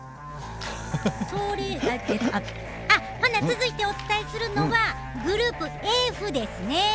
続いてお伝えするのはグループＦですね。